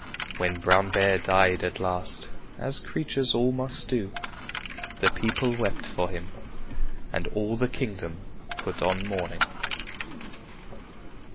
When Brown Bear died at last, as creatures all must do, the people wept for him, and all the kingdom put on mourning.